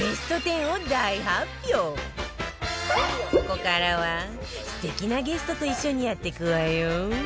ここからは素敵なゲストと一緒にやっていくわよ